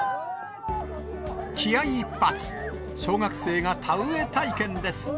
気合い一発、小学生が田植え体験です。